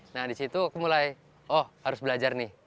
nah disitu aku mulai oh harus belajar nih